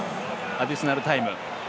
アディショナルタイム。